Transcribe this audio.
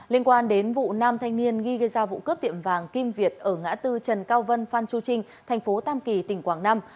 liên quan đến vụ nam thanh niên nghi gây ra vụ cướp tiệm vàng kim việt ở ngã tư trần cao vân phan chu trinh thành phố tam kỳ tỉnh quảng nam